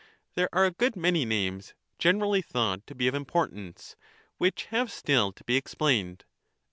There are a good many names generally thought to be of importance, which have still to be explained.